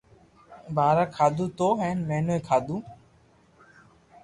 پآزا کاڌو تو ھين ميٺو کادو